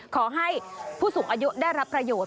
ขอให้ผู้สูงอายุได้รับประโยชน